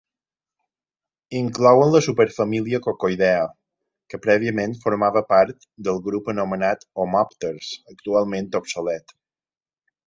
Inclouen la superfamília Coccoidea, que prèviament formava part del grup anomenat "homòpters", actualment obsolet.